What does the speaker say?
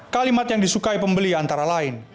kalimat yang disukai pembeli antara lain